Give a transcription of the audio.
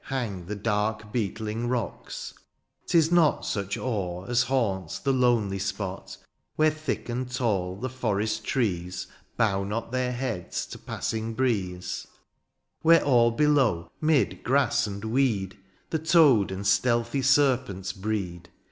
37 Hang the dark beetling rocks^ — ^'tis not Such awe as haunts the lonely spot^ Where thick and tall the forest trees Bow not their heads to passing breeze ; Where all below, ^mid grass and weed, The toad and stealthy serpent breed.